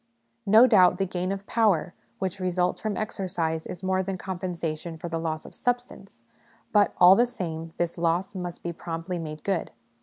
No doubt the gain of power which results from exercise is more than com pensation for the loss of substance ; but, all the same, this loss must be promptly made good.